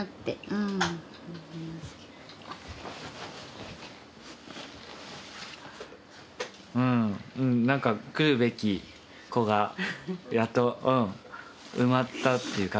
うんうんなんか来るべき子がやっと埋まったっていう感じがします。